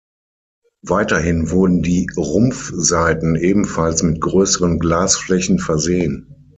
Weiterhin wurden die Rumpfseiten ebenfalls mit größeren Glasflächen versehen.